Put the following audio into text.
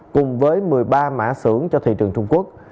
cùng với một mươi ba mã xưởng cho thị trường trung quốc